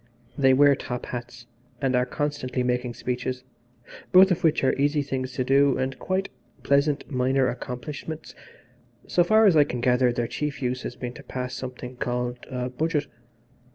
They wear top hats and are constantly making speeches, both of which are easy things to do and quite pleasant minor accomplishments. So far as I can gather their chief use has been to pass something called a Budget.